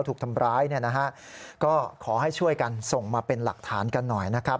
ถูกทำร้ายเนี่ยนะฮะก็ขอให้ช่วยกันส่งมาเป็นหลักฐานกันหน่อยนะครับ